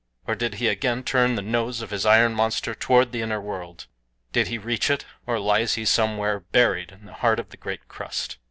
Or, did he again turn the nose of his iron monster toward the inner world? Did he reach it, or lies he somewhere buried in the heart of the great crust?